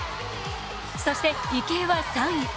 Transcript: そして、池江は３位。